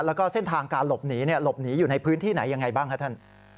แล้วก็เส้นทางการหลบหนีหลบหนีอยู่ในพื้นที่ไหนยังไงบ้างครับท่าน